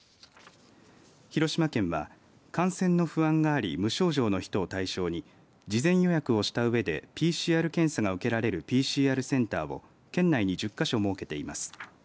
広島県は感染の不安があり無症状の人を対象に事前予約をしたうえでＰＣＲ検査が受けられるＰＣＲセンターを県内に１０か所設けています。